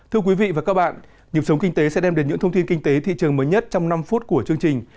thưa quý vị và các bạn nhiệm sống kinh tế sẽ đem đến những thông tin kinh tế thị trường mới nhất trong năm phút của chương trình